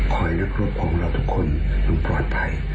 ขอให้นักรวบความของเราทุกคนยังปลอดภัย